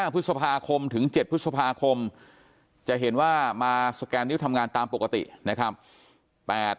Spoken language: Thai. พฤษภาคมถึง๗พฤษภาคมจะเห็นว่ามาสแกนนิ้วทำงานตามปกตินะครับ